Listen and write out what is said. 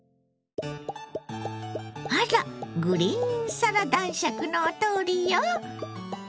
あらグリーンサラ男爵のお通りよ。